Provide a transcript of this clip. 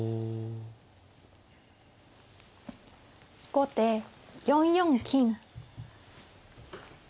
後手４四金。